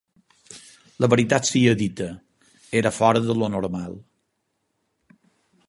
La veritat sia dita, era fora de lo normal